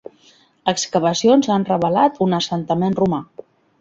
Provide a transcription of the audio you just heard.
Excavacions han revelat un assentament romà.